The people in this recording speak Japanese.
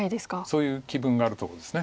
そういう気分があるとこです。